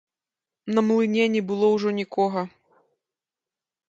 На млыне не было ўжо нікога.